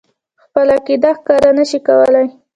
خپله عقیده ښکاره نه شي کولای.